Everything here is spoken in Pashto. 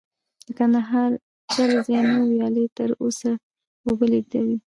د کندهار چل زینو ویالې تر اوسه اوبه لېږدوي